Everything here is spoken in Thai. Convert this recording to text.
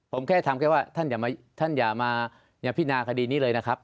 ผมแค่ทำแค่ว่าท่านอย่ามาอย่าพินาคดีนี้เลยนะครับ